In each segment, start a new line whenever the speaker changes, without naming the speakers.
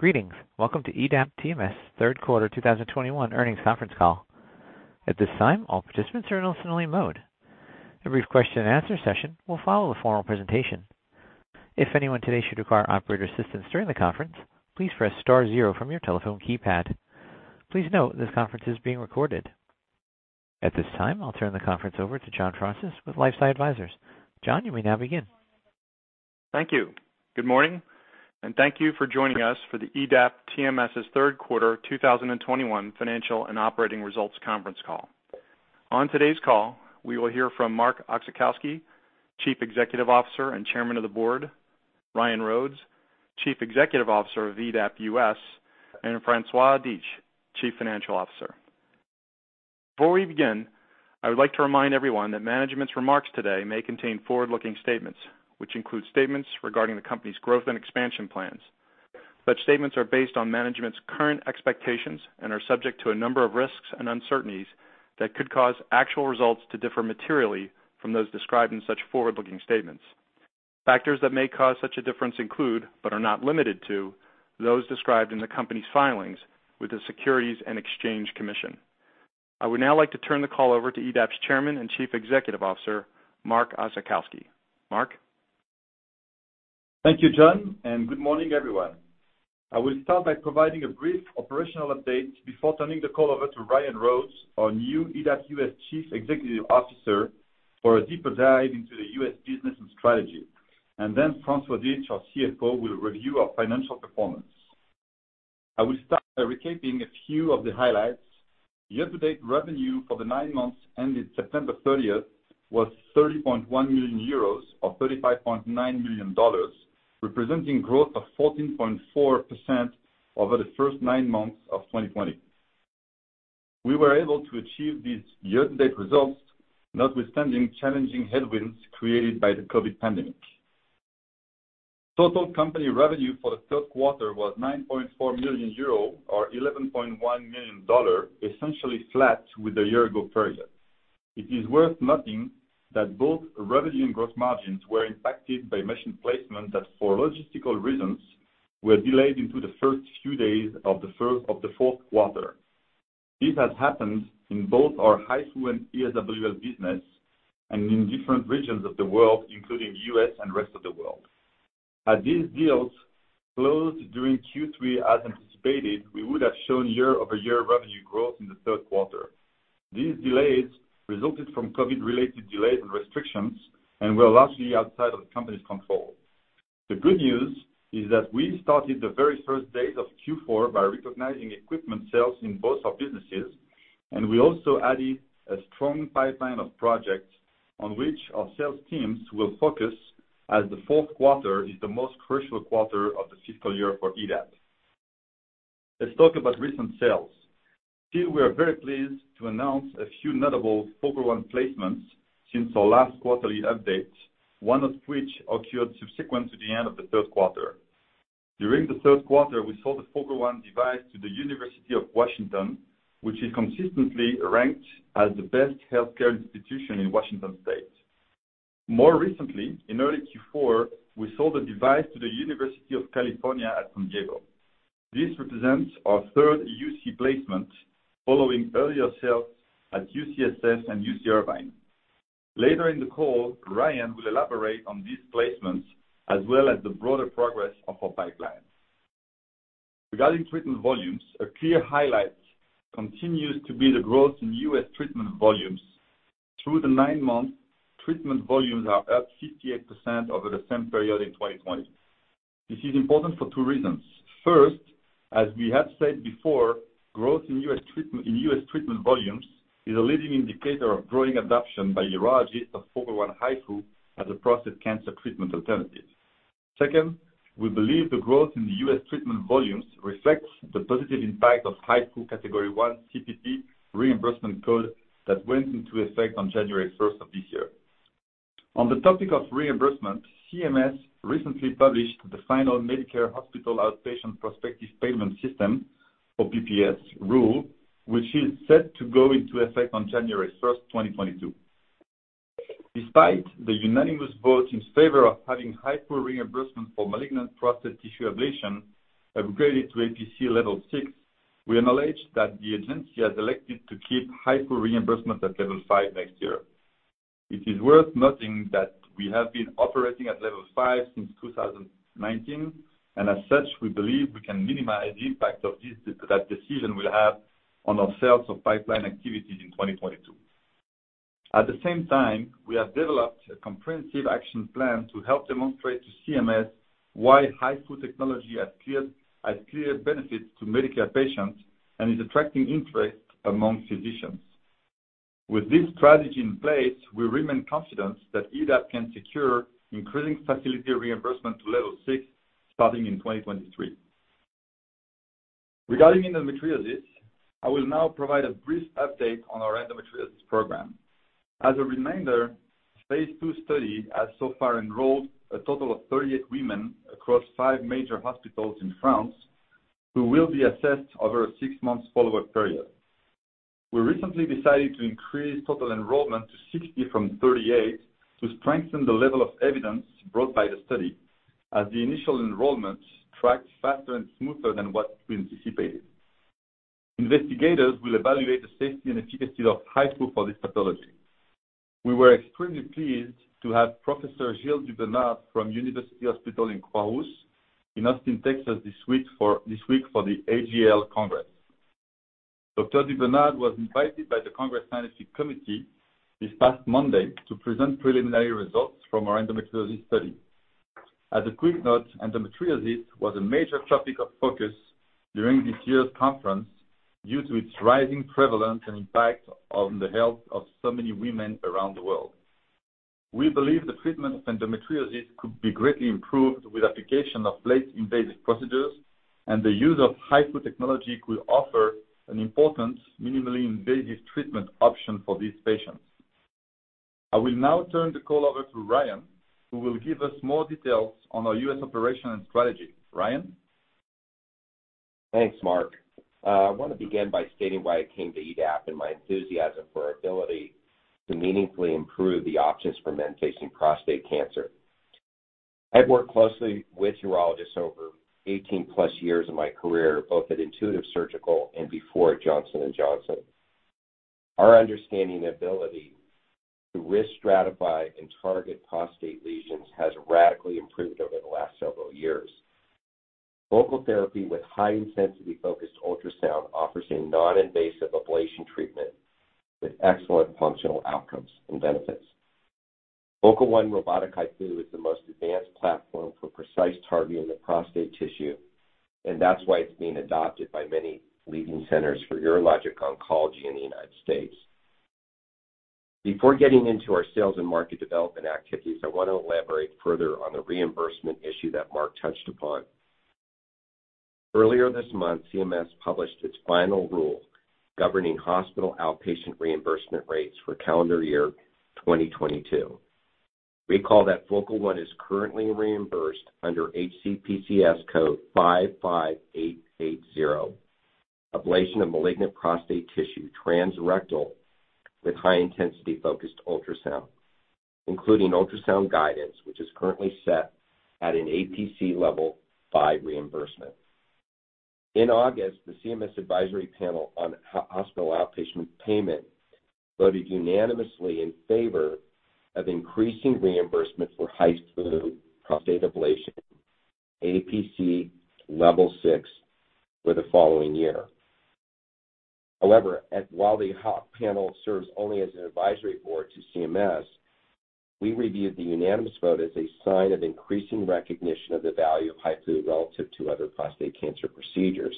Greetings. Welcome to EDAP TMS Third Quarter 2021 Earnings Conference Call. At this time, all participants are in listen-only mode. A brief question and answer session will follow the formal presentation. If anyone today should require operator assistance during the conference, please press star zero from your telephone keypad. Please note this conference is being recorded. At this time, I'll turn the conference over to John Fraunces with LifeSci Advisors. John, you may now begin.
Thank you. Good morning, and thank you for joining us for the EDAP TMS's third quarter 2021 financial and operating results conference call. On today's call, we will hear from Marc Oczachowski, Chief Executive Officer and Chairman of the Board, Ryan Rhodes, Chief Executive Officer of EDAP US, and François Dietsch, Chief Financial Officer. Before we begin, I would like to remind everyone that management's remarks today may contain forward-looking statements, which include statements regarding the company's growth and expansion plans. Such statements are based on management's current expectations and are subject to a number of risks and uncertainties that could cause actual results to differ materially from those described in such forward-looking statements. Factors that may cause such a difference include, but are not limited to, those described in the company's filings with the Securities and Exchange Commission. I would now like to turn the call over to EDAP's Chairman and Chief Executive Officer, Marc Oczachowski. Marc?
Thank you, John, and good morning, everyone. I will start by providing a brief operational update before turning the call over to Ryan Rhodes, our new EDAP US Chief Executive Officer, for a deeper dive into the US business and strategy. François Dietsch, our CFO, will review our financial performance. I will start by recapping a few of the highlights. Year-to-date revenue for the nine months ended September 30th was 30.1 million euros, or $35.9 million, representing growth of 14.4% over the first nine months of 2020. We were able to achieve these year-to-date results notwithstanding challenging headwinds created by the COVID pandemic. Total company revenue for the third quarter was 9.4 million euro or $11.1 million, essentially flat with the year-ago period. It is worth noting that both revenue and gross margins were impacted by machine placement that for logistical reasons, were delayed into the first few days of the fourth quarter. This has happened in both our HIFU and ESWL business and in different regions of the world, including U.S. and rest of the world. Had these deals closed during Q3 as anticipated, we would have shown year-over-year revenue growth in the third quarter. These delays resulted from COVID-related delays and restrictions and were largely outside of the company's control. The good news is that we started the very first days of Q4 by recognizing equipment sales in both our businesses and we also added a strong pipeline of projects on which our sales teams will focus as the fourth quarter is the most crucial quarter of the fiscal year for EDAP. Let's talk about recent sales. Here, we are very pleased to announce a few notable Focal One placements since our last quarterly update, one of which occurred subsequent to the end of the third quarter. During the third quarter, we sold the Focal One device to the University of Washington which is consistently ranked as the best healthcare institution in Washington state. More recently, in early Q4, we sold a device to the University of California, San Diego. This represents our third UC placement following earlier sales at UCSF and UC Irvine. Later in the call, Ryan will elaborate on these placements as well as the broader progress of our pipeline. Regarding treatment volumes, a clear highlight continues to be the growth in U.S. treatment volumes. Through the nine months, treatment volumes are up 58% over the same period in 2020. This is important for two reasons. First, as we have said before, growth in U.S. treatment, in U.S. treatment volumes is a leading indicator of growing adoption by urologists of Focal One HIFU as a prostate cancer treatment alternative. Second, we believe the growth in the U.S. treatment volumes reflects the positive impact of HIFU category 1 CPT reimbursement code that went into effect on January 1st of this year. On the topic of reimbursement, CMS recently published the final Medicare Hospital Outpatient Prospective Payment System, or PPS rule, which is set to go into effect on January 1st, 2022. Despite the unanimous vote in favor of having HIFU reimbursement for malignant prostate tissue ablation upgraded to APC Level 6, we acknowledge that the agency has elected to keep HIFU reimbursement at Level 5 next year. It is worth noting that we have been operating at Level 5 since 2019, and as such, we believe we can minimize the impact of that decision will have on our sales or pipeline activities in 2022. At the same time, we have developed a comprehensive action plan to help demonstrate to CMS why HIFU technology has clear benefits to Medicare patients and is attracting interest among physicians. With this strategy in place, we remain confident that EDAP can secure increasing facility reimbursement to Level 6 starting in 2023. Regarding endometriosis, I will now provide a brief update on our endometriosis program. As a reminder, phase II study has so far enrolled a total of 38 women across five major hospitals in France, who will be assessed over a six-month follow-up period. We recently decided to increase total enrolment to 60 from 38 to strengthen the level of evidence brought by the study as the initial enrolment tracked faster and smoother than what we anticipated. Investigators will evaluate the safety and efficacy of HIFU for this pathology. We were extremely pleased to have Professor Gil Dubernard from the University Hospital in Croix-Rousse. He [is actually] in Texas this week for the AAGL Congress. Dr. Dubernard was invited by the Congress Scientific Committee this past Monday to present preliminary results from our endometriosis study. As a quick note, endometriosis was a major topic of focus during this year's conference due to its rising prevalence and impact on the health of so many women around the world. We believe the treatment of endometriosis could be greatly improved with application of less invasive procedures, and the use of HIFU technology could offer an important minimally invasive treatment option for these patients. I will now turn the call over to Ryan, who will give us more details on our U.S. operational strategy. Ryan?
Thanks, Marc. I want to begin by stating why I came to EDAP and my enthusiasm for our ability to meaningfully improve the options for men facing prostate cancer. I've worked closely with urologists over 18+ years of my career both at Intuitive Surgical and before at Johnson & Johnson. Our understanding ability to risk stratify and target prostate lesions has radically improved over the last several years. Focal therapy with high intensity focused ultrasound offers a non-invasive ablation treatment with excellent functional outcomes and benefits. Focal One robotic HIFU is the most advanced platform for precise targeting of prostate tissue, and that's why it's being adopted by many leading centers for urologic oncology in the United States. Before getting into our sales and market development activities, I want to elaborate further on the reimbursement issue that Marc touched upon. Earlier this month, CMS published its final rule governing hospital outpatient reimbursement rates for calendar year 2022. Recall that Focal One is currently reimbursed under HCPCS code 55880. Ablation of malignant prostate tissue transrectal with high intensity focused ultrasound, including ultrasound guidance which is currently set at an APC Level 5 reimbursement. In August, the CMS advisory panel on hospital outpatient payment voted unanimously in favor of increasing reimbursement for HIFU prostate ablation APC Level 6 for the following year. However, while the HOP panel serves only as an advisory board to CMS, we reviewed the unanimous vote as a sign of increasing recognition of the value of HIFU relative to other prostate cancer procedures.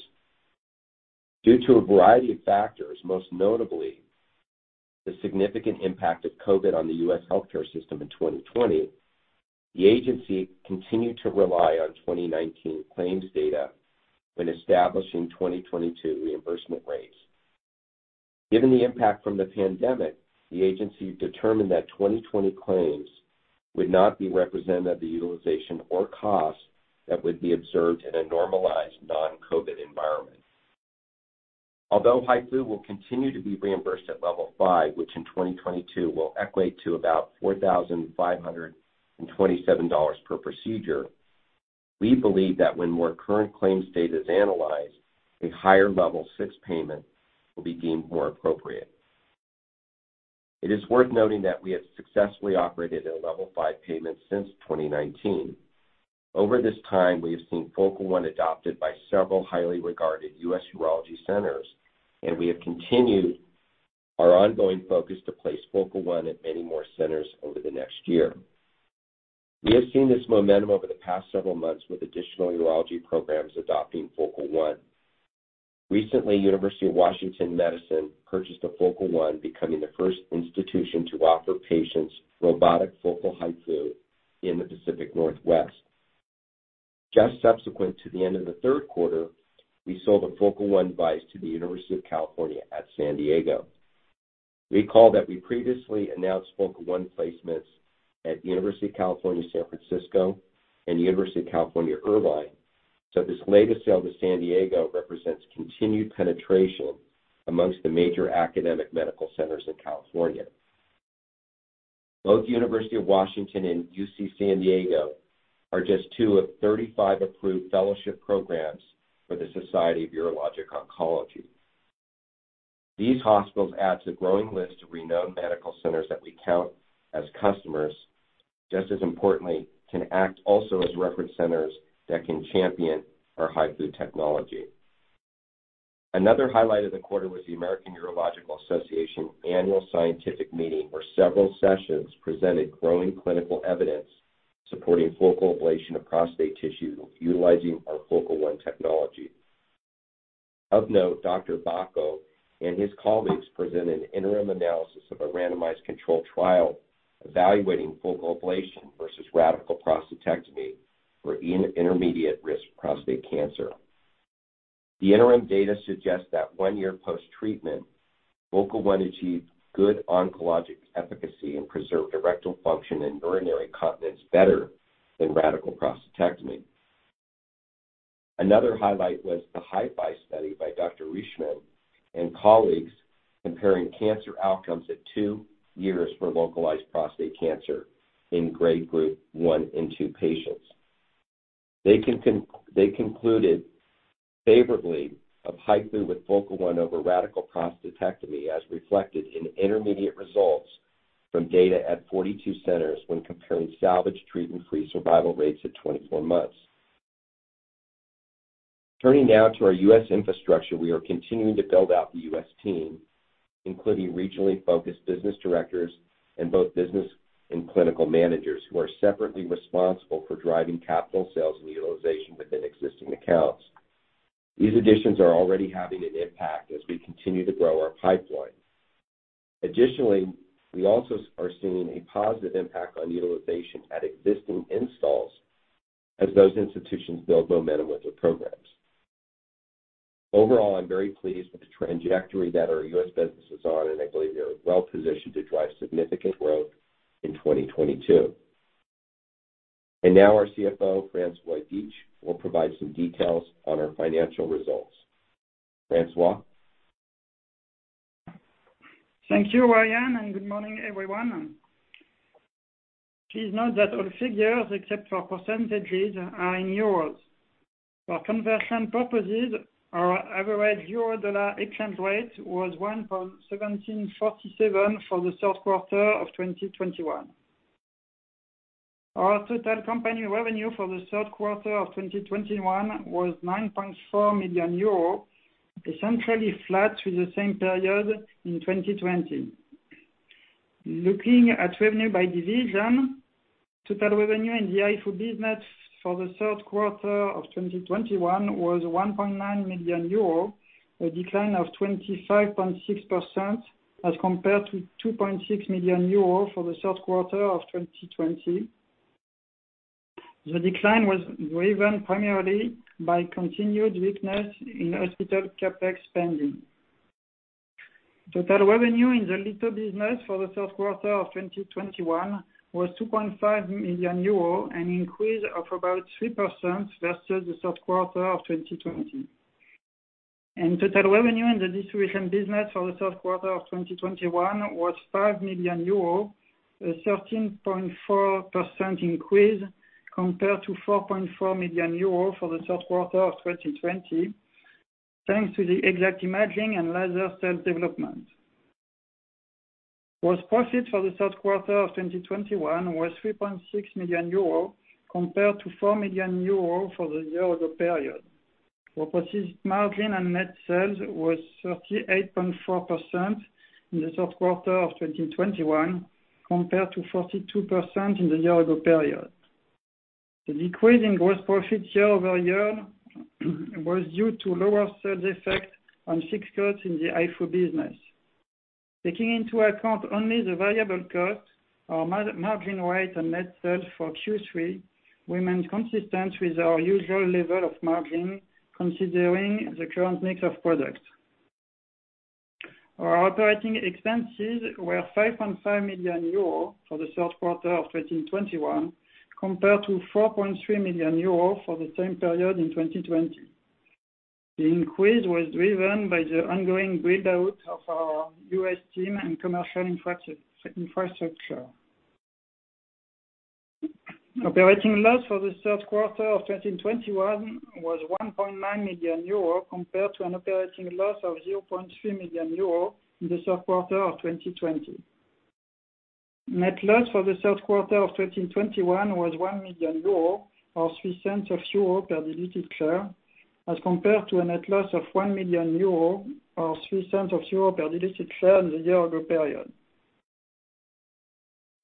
Due to a variety of factors, most notably the significant impact of COVID on the U.S. healthcare system in 2020, the agency continued to rely on 2019 claims data when establishing 2022 reimbursement rates. Given the impact from the pandemic, the agency determined that 2020 claims would not be representative of the utilization or cost that would be observed in a normalized non-COVID environment. Although HIFU will continue to be reimbursed at Level 5, which in 2022 will equate to about $4,527 per procedure, we believe that when more current claims data is analysed, a higher Level 6 payment will be deemed more appropriate. It is worth noting that we have successfully operated at a Level 5 payment since 2019. Over this time, we have seen Focal One adopted by several highly regarded U.S. urology centers, and we have continued our ongoing focus to place Focal One at many more centers over the next year. We have seen this momentum over the past several months with additional urology programs adopting Focal One. Recently, University of Washington Medicine purchased a Focal One, becoming the first institution to offer patients robotic focal HIFU in the Pacific Northwest. Just subsequent to the end of the third quarter, we sold a Focal One device to the University of California, San Diego. Recall that we previously announced Focal One placements at University of California, San Francisco and University of California, Irvine, so this latest sale to San Diego represents continued penetration among the major academic medical centers in California. Both University of Washington and UC San Diego are just two of 35 approved fellowship programs for the Society of Urologic Oncology. These hospitals add to a growing list of renowned medical centers that we count as customers. Just as importantly, they can also act as reference centers that can champion our HIFU technology. Another highlight of the quarter was the American Urological Association annual scientific meeting, where several sessions presented growing clinical evidence supporting focal ablation of prostate tissue utilizing our Focal One technology. Of note, Dr. Baco and his colleagues presented an interim analysis of a randomized controlled trial evaluating focal ablation versus radical prostatectomy for intermediate-risk prostate cancer. The interim data suggests that one year post-treatment, Focal One achieved good oncologic efficacy and preserved erectile function and urinary continence better than radical prostatectomy. Another highlight was the HiFi study by Dr. Rischmann and colleagues comparing cancer outcomes at two years for localized prostate cancer in Grade Group 1 and 2 patients. They concluded favorably of HIFU with Focal One over radical prostatectomy, as reflected in intermediate results from data at 42 centers when comparing salvage treatment-free survival rates at 24 months. Turning now to our U.S. infrastructure, we are continuing to build out the U.S. team, including regionally focused business directors and both business and clinical managers who are separately responsible for driving capital sales and utilization within existing accounts. These additions are already having an impact as we continue to grow our pipeline. Additionally, we are seeing a positive impact on utilization at existing installs as those institutions build momentum with their programs. Overall, I'm very pleased with the trajectory that our U.S. business is on, and I believe we are well-positioned to drive significant growth in 2022. Now our CFO, François Dietsch, will provide some details on our financial results. François?
Thank you, Ryan, and good morning, everyone. Please note that all figures, except for percentages, are in euros. For conversion purposes, our average euro-dollar exchange rate was 1.1747 for the third quarter of 2021. Our total company revenue for the third quarter of 2021 was 9.4 million euros, essentially flat to the same period in 2020. Looking at revenue by division, total revenue in the HIFU business for the third quarter of 2021 was 1.9 million euro, a decline of 25.6% as compared to 2.6 million euro for the third quarter of 2020. The decline was driven primarily by continued weakness in hospital CapEx spending. Total revenue in the Litho business for the third quarter of 2021 was 2.5 million euro, an increase of about 3% versus the third quarter of 2020. Total revenue in the distribution business for the third quarter of 2021 was 5 million euro, a 13.4% increase compared to 4.4 million euro for the third quarter of 2020, thanks to the Exact Imaging and laser sales development. Gross profit for the third quarter of 2021 was 3.6 million euros compared to 4 million euros for the year-ago period, where profit margin and net sales was 38.4% in the third quarter of 2021 compared to 42% in the year-ago period. The decrease in gross profit year-over-year was due to lower sales effect on fixed costs in the HIFU business. Taking into account only the variable cost, our margin rate and net sales for Q3 remain consistent with our usual level of margin considering the current mix of products. Our operating expenses were 5.5 million euro for the third quarter of 2021 compared to 4.3 million euro for the same period in 2020. The increase was driven by the ongoing build-out of our U.S. team and commercial infrastructure. Operating loss for the third quarter of 2021 was 1.9 million euro compared to an operating loss of 0.3 million euro in the third quarter of 2020. Net loss for the third quarter of 2021 was 1 million euro, or 0.03 per diluted share, as compared to a net loss of 1 million euro or 0.03 per diluted share in the year-ago period.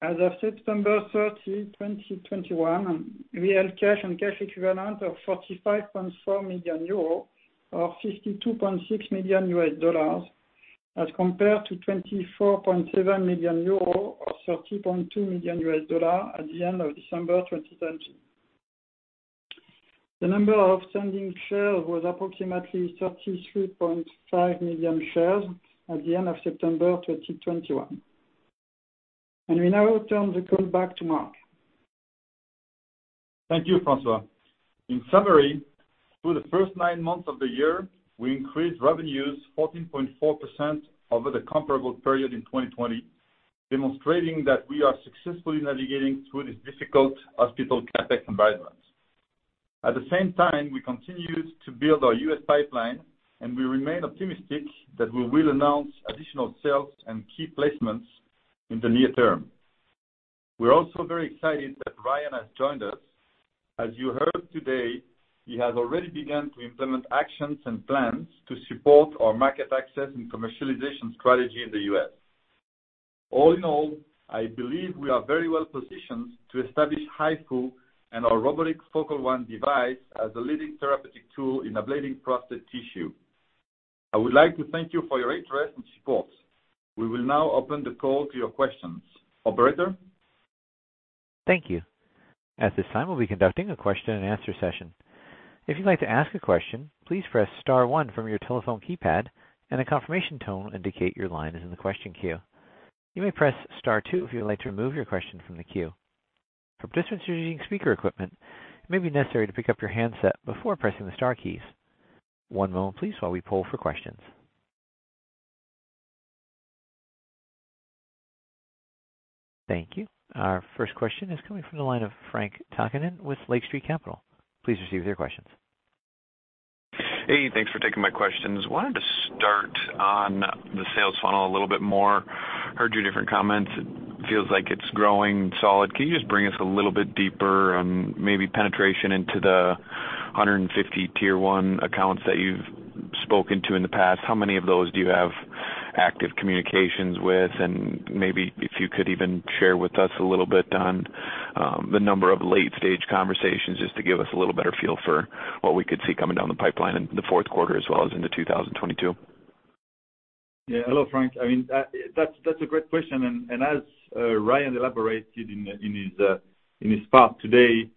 As of September 30, 2021, we had cash and cash equivalent of 45.4 million euro or $52.6 million as compared to 24.7 million euro or $30.2 million at the end of December 2020. The number of outstanding shares was approximately 33.5 million shares at the end of September 2021. We now turn the call back to Marc.
Thank you, François. In summary, through the first nine months of the year, we increased revenues 14.4% over the comparable period in 2020, demonstrating that we are successfully navigating through this difficult hospital CapEx environment. At the same time, we continue to build our U.S. pipeline, and we remain optimistic that we will announce additional sales and key placements in the near term. We're also very excited that Ryan has joined us. As you heard today, he has already begun to implement actions and plans to support our market access and commercialization strategy in the U.S. All in all, I believe we are very well-positioned to establish HIFU and our robotic Focal One device as a leading therapeutic tool in ablating prostate tissue. I would like to thank you for your interest and support. We will now open the call to your questions. Operator?
Thank you. At this time, we'll be conducting a question and answer session. If you'd like to ask a question, please press star one from your telephone keypad, and a confirmation tone will indicate your line is in the question queue. You may press star two if you'd like to remove your question from the queue. For participants using speaker equipment, it may be necessary to pick up your handset before pressing the star keys. One moment please while we poll for questions. Thank you. Our first question is coming from the line of Frank Takkinen with Lake Street Capital Markets. Please proceed with your questions.
Hey, thanks for taking my questions. Wanted to start on the sales funnel a little bit more. Heard your different comments. It feels like it's growing solid. Can you just bring us a little bit deeper on maybe penetration into the 150 tier-one accounts that you've spoken to in the past? How many of those do you have active communications with? Maybe if you could even share with us a little bit on the number of late-stage conversations, just to give us a little better feel for what we could see coming down the pipeline in the fourth quarter as well as into 2022.
Yeah. Hello, Frank. I mean, that's a great question. As Ryan elaborated in his part today,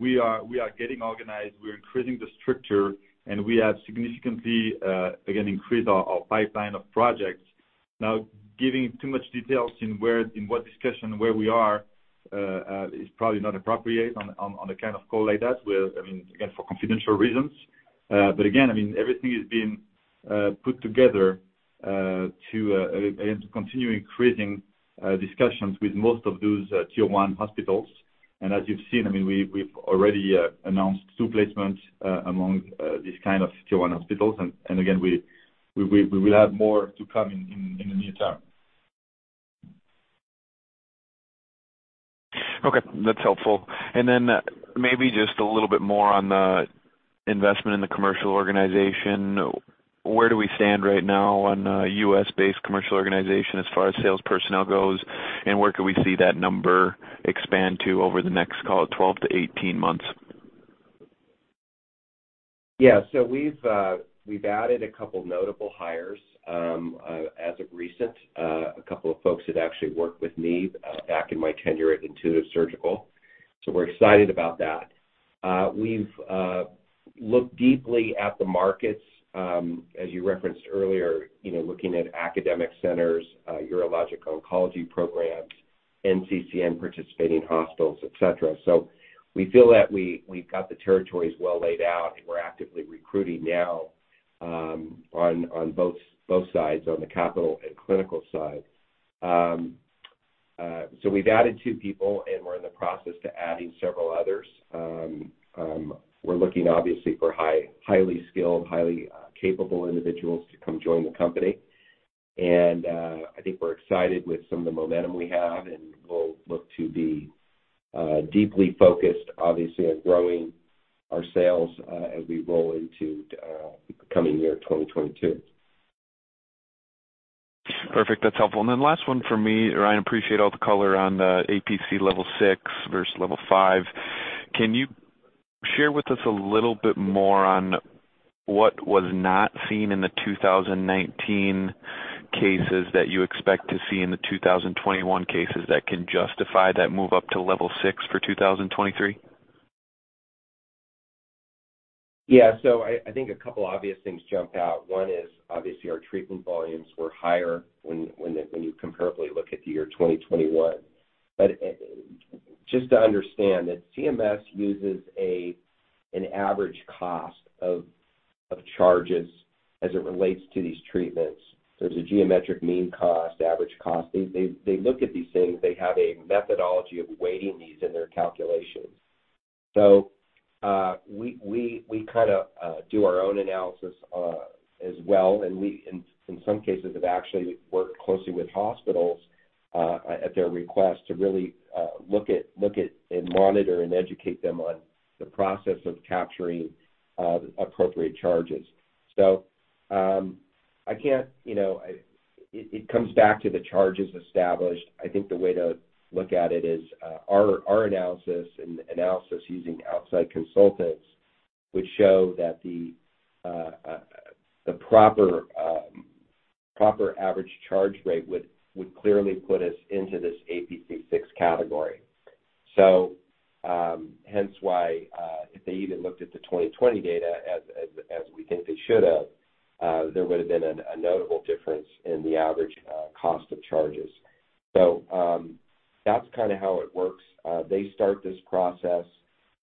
we are getting organized. We're increasing the structure, and we have significantly again increased our pipeline of projects. Now, giving too much details in what discussion we are is probably not appropriate on a kind of call like that with, I mean, again, for confidential reasons but again, I mean, everything is being put together to continue increasing discussions with most of those tier-one hospitals. As you've seen, I mean, we've already announced two placements among these kind of tier-one hospitals. And again, we will have more to come in the near term.
Okay, that's helpful. Maybe just a little bit more on the investment in the commercial organization. Where do we stand right now on a U.S.-based commercial organization as far as sales personnel goes, and where could we see that number expand to over the next, call it, 12-18 months?
Yeah. We've added a couple notable hires as of recent. A couple of folks that actually worked with me back in my tenure at Intuitive Surgical. We're excited about that. We've looked deeply at the markets as you referenced earlier, you know, looking at academic centers, urological oncology programs, NCCN-participating hospitals, et cetera. We feel that we've got the territories well laid out and we're actively recruiting now on both sides, on the capital and clinical side. We've added two people, and we're in the process to adding several others. We're looking obviously for highly skilled, highly capable individuals to come join the company. I think we're excited with some of the momentum we have, and we'll look to be deeply focused obviously on growing our sales as we roll into the coming year, 2022.
Perfect. That's helpful. Last one for me. Ryan, appreciate all the color on the APC Level 6 versus Level 5. Can you share with us a little bit more on what was not seen in the 2019 cases that you expect to see in the 2021 cases that can justify that move up to Level 6 for 2023?
Yeah. I think a couple obvious things jump out. One is obviously our treatment volumes were higher when you comparably look at the year 2021. I think just to understand that CMS uses an average cost of charges as it relates to these treatments. There's a geometric mean cost, average cost. They look at these things. They have a methodology of weighting these in their calculations. We kind of do our own analysis as well. We, in some cases have actually worked closely with hospitals at their request to really look at and monitor and educate them on the process of capturing appropriate charges. I can't. It comes back to the charges established. I think the way to look at it is, our analysis using outside consultants, which show that the proper average charge rate would clearly put us into this APC 6 category. Hence why, if they even looked at the 2020 data as we think they should have, there would have been a notable difference in the average cost of charges. That's kind of how it works. They start this process,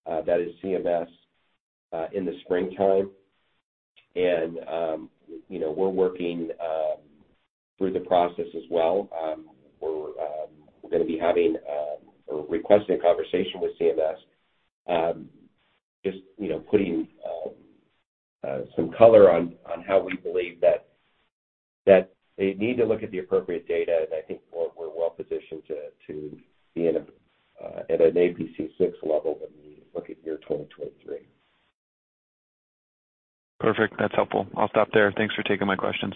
that is CMS, in the springtime. You know, we're working through the process as well. We're gonna be having or requesting a conversation with CMS, just, you know, putting some color on how we believe that they need to look at the appropriate data. I think we're well positioned to be at an APC 6 Level when we look at year 2023.
Perfect. That's helpful. I'll stop there. Thanks for taking my questions.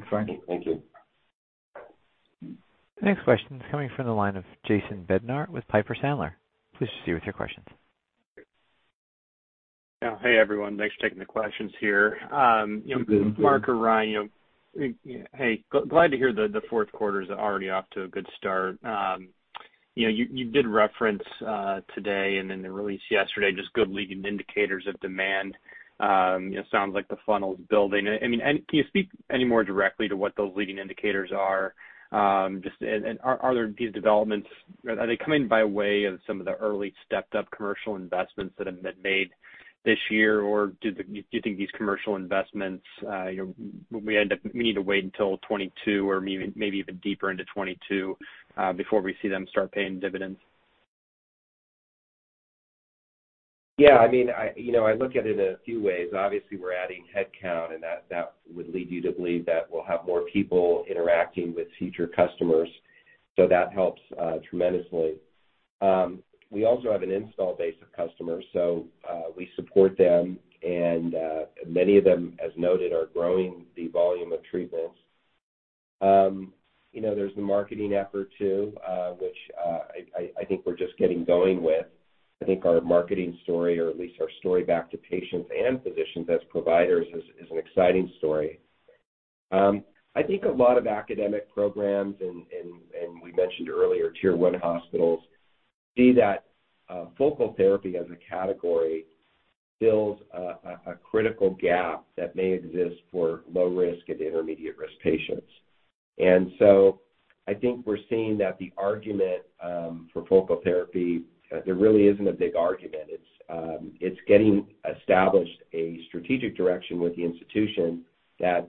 Thanks, Frank.
Thank you.
The next question is coming from the line of Jason Bednar with Piper Sandler. Please proceed with your questions.
Yeah. Hey, everyone. Thanks for taking the questions here, you know.
Good, good.
Marc or Ryan, you know, hey, glad to hear the fourth quarter is already off to a good start. You know, you did reference today and in the release yesterday, just good leading indicators of demand. It sounds like the funnel's building. I mean. Can you speak any more directly to what those leading indicators are? Just, and are there these developments? Are they coming by way of some of the early stepped up commercial investments that have been made this year, or do you think these commercial investments, you know, we end up. We need to wait until 2022 or maybe even deeper into 2022 before we see them start paying dividends?
Yeah. I mean, you know, I look at it in a few ways. Obviously, we're adding headcount and that would lead you to believe that we'll have more people interacting with future customers. That helps tremendously. We also have an install base of customers, so we support them. Many of them, as noted, are growing the volume of treatments. You know, there's the marketing effort too, which I think we're just getting going with. I think our marketing story or at least our story back to patients and physicians as providers is an exciting story. I think a lot of academic programs, and we mentioned earlier tier one hospitals, see that focal therapy as a category fills a critical gap that may exist for low risk and intermediate risk patients. I think we're seeing that the argument for Focal therapy, there really isn't a big argument. It's getting established a strategic direction with the institution that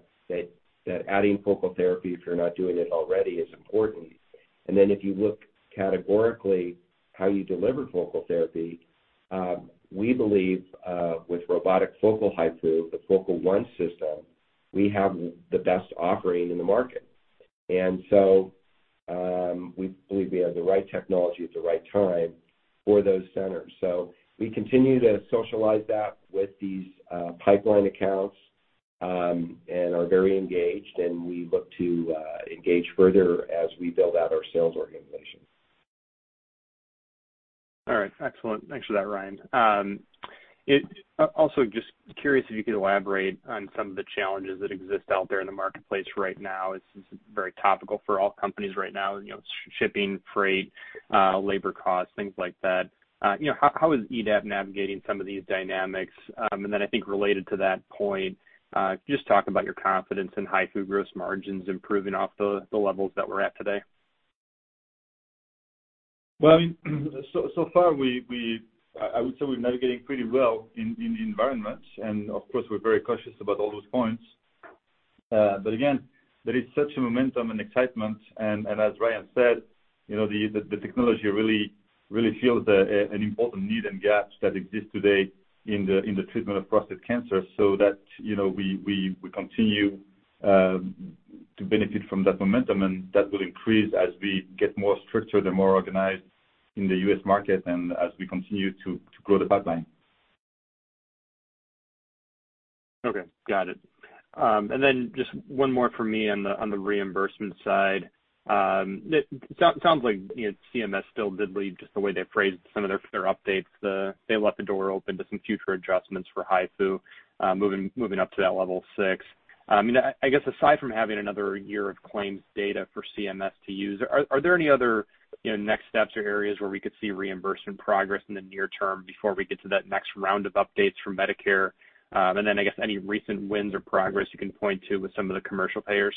adding Focal therapy, if you're not doing it already, is important. If you look categorically how you deliver Focal therapy, we believe with robotic Focal HIFU, the Focal One system, we have the best offering in the market. We believe we have the right technology at the right time for those centers. We continue to socialize that with these pipeline accounts and are very engaged, and we look to engage further as we build out our sales organization.
All right. Excellent. Thanks for that, Ryan. Also just curious if you could elaborate on some of the challenges that exist out there in the marketplace right now. It's very topical for all companies right now, you know, shipping, freight, labor costs, things like that. You know, how is EDAP navigating some of these dynamics? I think related to that point, just talk about your confidence in HIFU gross margins improving off the levels that we're at today?
I mean, so far we're navigating pretty well in the environment. Of course, we're very cautious about all those points. Again, there is such a momentum and excitement. As Ryan said, you know, the technology really fills an important need and gaps that exist today in the treatment of prostate cancer so that, you know, we continue to benefit from that momentum, and that will increase as we get more structured and more organized in the U.S. market and as we continue to grow the pipeline.
Okay. Got it. Just one more from me on the reimbursement side. It sounds like, you know, CMS still did leave, just the way they phrased some of their updates, they left the door open to some future adjustments for HIFU, moving up to that Level 6. I mean, I guess aside from having another year of claims data for CMS to use, are there any other, you know, next steps or areas where we could see reimbursement progress in the near term before we get to that next round of updates from Medicare? I guess any recent wins or progress you can point to with some of the commercial payers.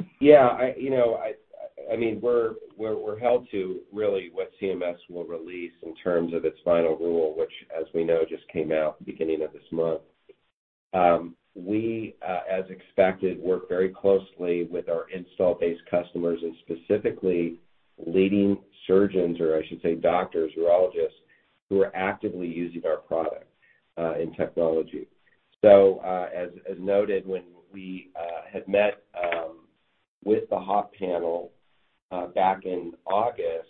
I mean, we're held to really what CMS will release in terms of its final rule, which as we know, just came out beginning of this month. We, as expected, work very closely with our installed-base customers and specifically leading surgeons, or I should say doctors, urologists, who are actively using our product and technology. As noted, when we had met with the HOP panel back in August,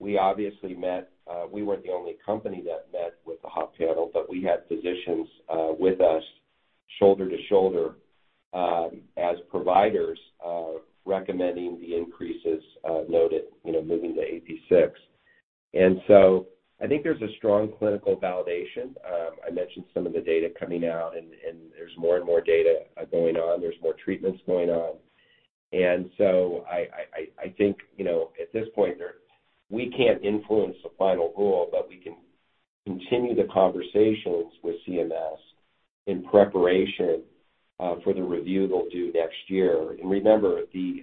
we obviously met, we weren't the only company that met with the HOP panel, but we had physicians with us shoulder to shoulder as providers recommending the increases noted, you know, moving to APC 6. I think there's a strong clinical validation. I mentioned some of the data coming out and there's more and more data going on. There's more treatments going on. I think, you know, at this point there, we can't influence the final rule, but we can continue the conversations with CMS in preparation for the review they'll do next year. Remember, these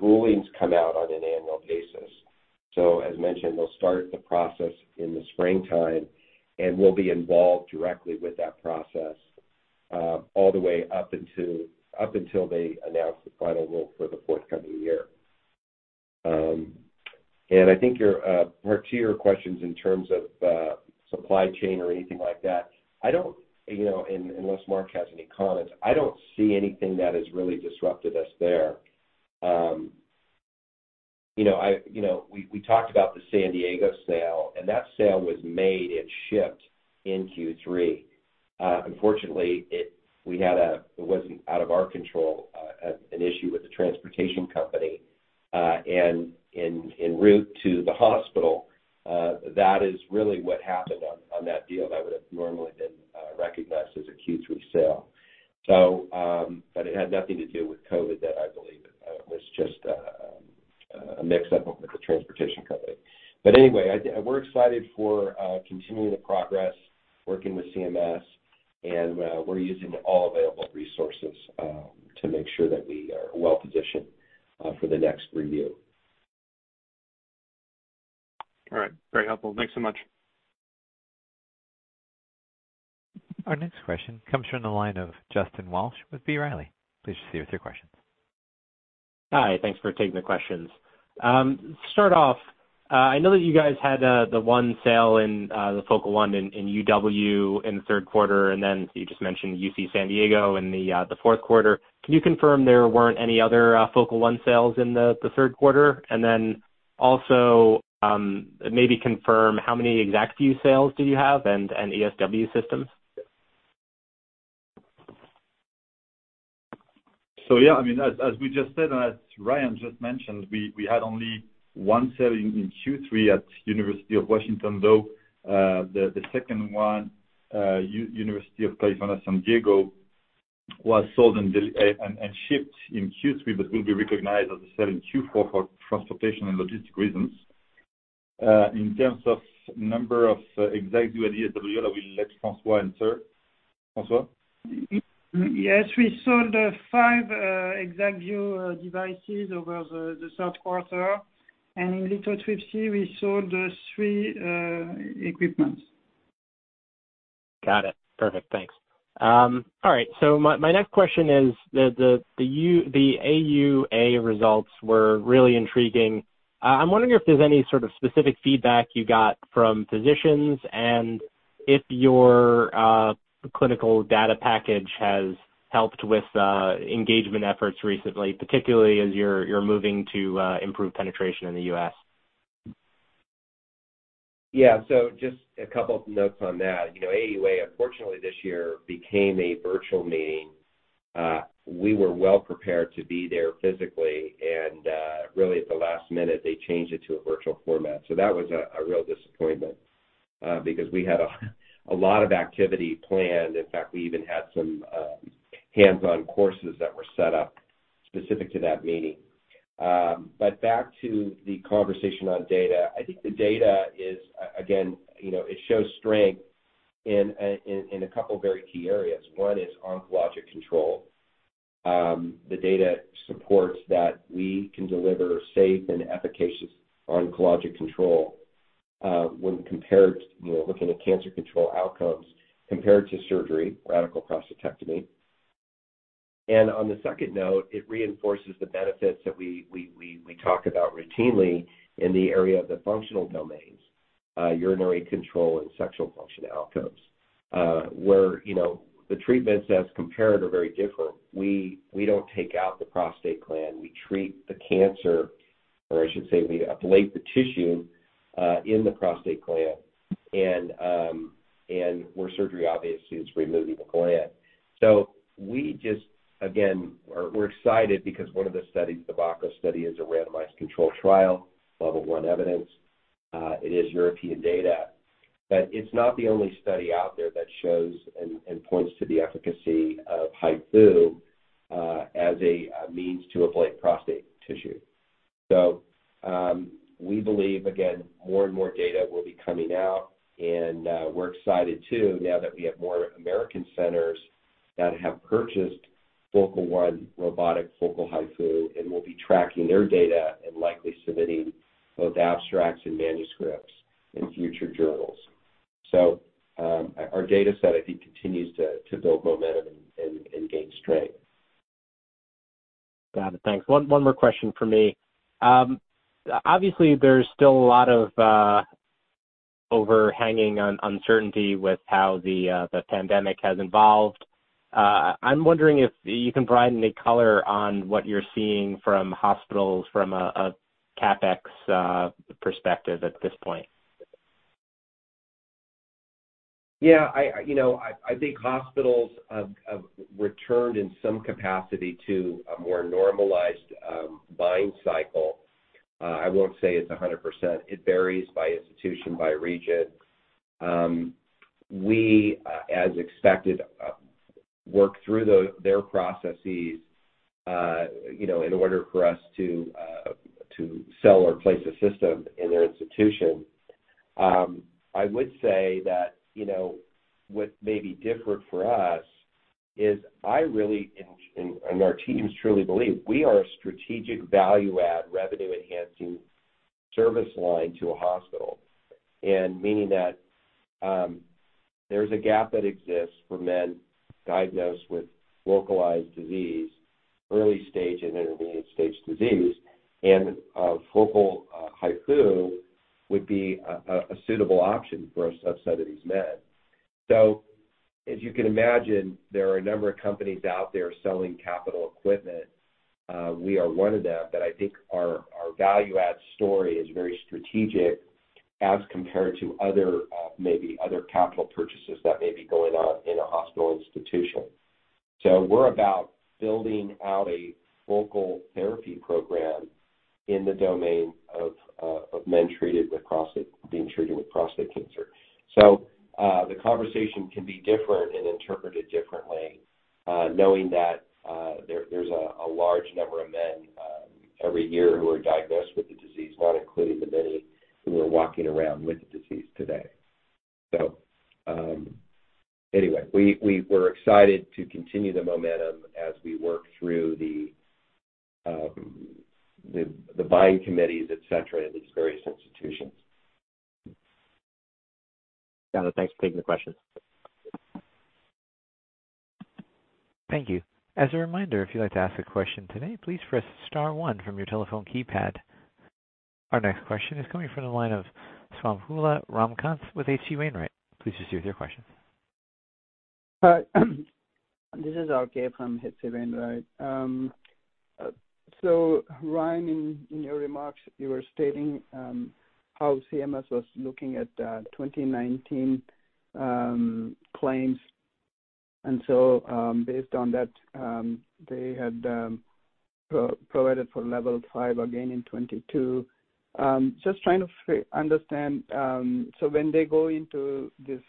rulings come out on an annual basis. As mentioned, they'll start the process in the springtime, and we'll be involved directly with that process all the way up until they announce the final rule for the forthcoming year. I think your part two of your questions in terms of supply chain or anything like that, I don't, you know, unless Marc has any comments, I don't see anything that has really disrupted us there. You know, we talked about the San Diego sale, and that sale was made and shipped in Q3. Unfortunately, it wasn't out of our control, we had an issue with the transportation company and en route to the hospital. That is really what happened on that deal that would have normally been recognized as a Q3 sale. It had nothing to do with COVID that I believe in. It was just a mix-up with the transportation company. We're excited for continuing the progress, working with CMS, and we're using all available resources to make sure that we are well positioned for the next review.
All right. Very helpful. Thanks so much.
Our next question comes from the line of Justin Walsh with B. Riley. Please proceed with your questions.
Hi. Thanks for taking the questions. To start off, I know that you guys had the one sale in the Focal One in UW in the third quarter, and then you just mentioned UC San Diego in the fourth quarter. Can you confirm there weren't any other Focal One sales in the third quarter? And then also, maybe confirm how many ExacQ sales do you have, and ESW systems?
Yeah, I mean, as we just said, and as Ryan just mentioned, we had only one sale in Q3 at University of Washington, though, the second one, University of California, San Diego, was sold and shipped in Q3, but will be recognized as a sale in Q4 for transportation and logistical reasons. In terms of number of ExacQ and ESW, I will let François answer. François?
Yes, we sold five ExacQ devices over the third quarter. In lithotripsy, we sold three equipments.
Got it. Perfect. Thanks. All right, my next question is the AUA results were really intriguing. I'm wondering if there's any sort of specific feedback you got from physicians and if your clinical data package has helped with engagement efforts recently, particularly as you're moving to improve penetration in the U.S.
Yeah. Just a couple of notes on that. You know, AUA, unfortunately this year became a virtual meeting. We were well prepared to be there physically, and really at the last minute, they changed it to a virtual format. That was a real disappointment, because we had a lot of activity planned. In fact, we even had some hands-on courses that were set up specific to that meeting. Back to the conversation on data. I think the data is again, you know, it shows strength in a couple of very key areas. One is oncologic control. The data supports that we can deliver safe and efficacious oncologic control, when compared, you know, looking at cancer control outcomes compared to surgery, radical prostatectomy. On the second note, it reinforces the benefits that we talk about routinely in the area of the functional domains, urinary control and sexual function outcomes, where you know the treatments as compared are very different. We don't take out the prostate gland, we treat the cancer, or I should say we ablate the tissue in the prostate gland and where surgery obviously is removing the gland. We're excited because one of the studies, the BACCHUS study, is a randomized control trial, Level 1 evidence. It is European data. It's not the only study out there that shows and points to the efficacy of HIFU as a means to ablate prostate tissue. We believe, again, more and more data will be coming out, and we're excited too now that we have more American centers that have purchased Focal One robotic focal HIFU, and we'll be tracking their data and likely submitting both abstracts and manuscripts in future journals. Our data set, I think, continues to build momentum and gain strength.
Got it. Thanks. One more question from me. Obviously, there's still a lot of overhanging uncertainty with how the pandemic has evolved. I'm wondering if you can provide any color on what you're seeing from hospitals from a CapEx perspective at this point.
Yeah, you know, I think hospitals have returned in some capacity to a more normalized buying cycle. I won't say it's 100%. It varies by institution, by region. As expected, we work through their processes, you know, in order for us to sell or place a system in their institution. I would say that, you know, what may be different for us is I really and our teams truly believe we are a strategic value add revenue enhancing service line to a hospital. Meaning that, there's a gap that exists for men diagnosed with localized disease, early stage and intermediate stage disease and Focal HIFU would be a suitable option for a subset of these men. As you can imagine, there are a number of companies out there selling capital equipment. We are one of them, but I think our value add story is very strategic as compared to other, maybe other capital purchases that may be going on in a hospital institution. We're about building out a focal therapy program in the domain of men being treated with prostate cancer. The conversation can be different and interpreted differently, knowing that, there's a large number of men every year who are diagnosed with the disease, not including the many who are walking around with the disease today. Anyway, we're excited to continue the momentum as we work through the buying committees, et cetera, in these various institutions.
Got it. Thanks for taking the question.
Thank you. As a reminder, if you'd like to ask a question today, please press star one from your telephone keypad. Our next question is coming from the line of Swayampakula Ramakanth with H.C. Wainwright. Please proceed with your question.
Hi. This is RK from H.C. Wainwright. So Ryan, in your remarks, you were stating how CMS was looking at 2019 claims. Based on that, they had provided for Level 5 again in 2022. Just trying to understand, when they go into this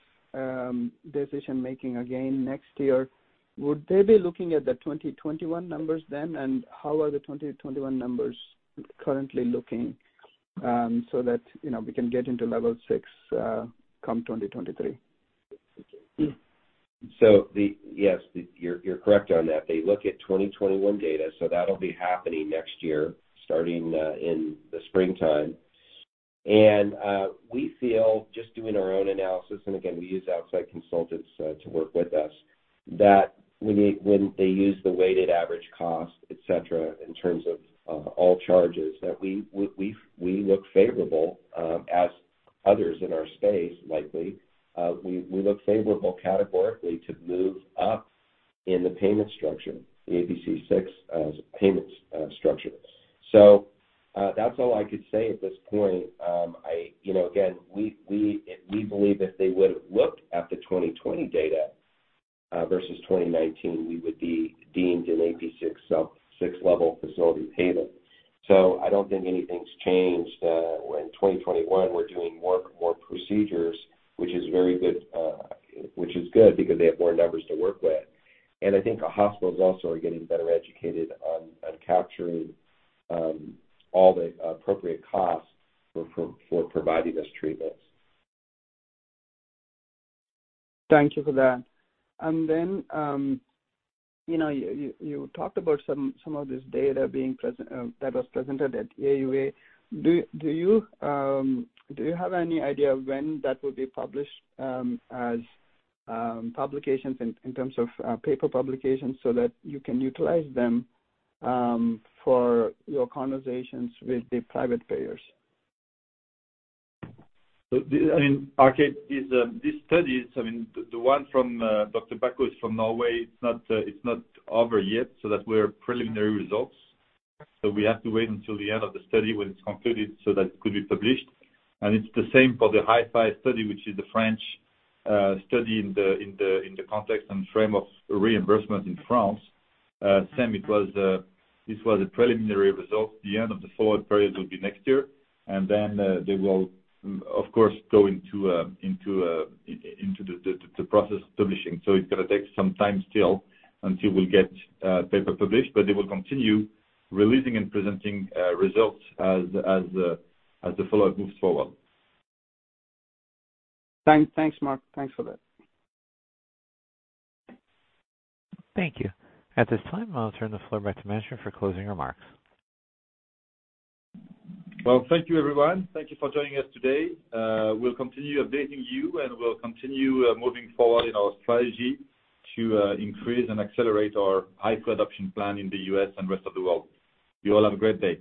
decision-making again next year, would they be looking at the 2021 numbers then? And how are the 2021 numbers currently looking, so that, you know, we can get into level six, come 2023?
Yes, you're correct on that. They look at 2021 data, that'll be happening next year, starting in the springtime. We feel just doing our own analysis, and again, we use outside consultants to work with us, that when they use the weighted average cost, et cetera, in terms of all charges, that we look favorable as others in our space, likely. We look favorable categorically to move up in the payment structure, the APC 6 payment structure. That's all I could say at this point. You know, again, we believe if they would've looked at the 2020 data versus 2019, we would be deemed an APC 6, so six-level facility payment. I don't think anything's changed. In 2021, we're doing more procedures which is very good, which is good because they have more numbers to work with. I think our hospitals also are getting better educated on capturing all the appropriate costs for providing this treatment.
Thank you for that. You know, you talked about some of this data that was presented at AUA. Do you have any idea of when that will be published as publications in terms of paper publications so that you can utilize them for your conversations with the private payers?
I mean, RK, these studies, I mean, the one from Dr. Baco is from Norway. It's not over yet, so these are preliminary results. We have to wait until the end of the study when it's concluded so that it could be published. It's the same for the HIFI study, which is the French study in the context and frame of reimbursement in France. Same, this was a preliminary result. The end of the follow-up period will be next year, and then they will of course go into the process of publishing. It's gonna take some time still until we'll get paper published, but they will continue releasing and presenting results as the follow-up moves forward.
Thanks. Thanks, Marc. Thanks for that.
Thank you. At this time, I'll turn the floor back to management for closing remarks.
Well, thank you, everyone. Thank you for joining us today. We'll continue updating you, and we'll continue moving forward in our strategy to increase and accelerate our high production plan in the U.S. and rest of the world. You all have a great day.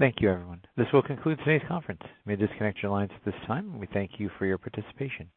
Thank you, everyone. This will conclude today's conference. You may disconnect your lines at this time. We thank you for your participation.